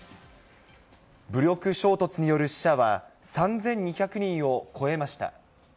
武力衝突による死者は３２００人を超えました。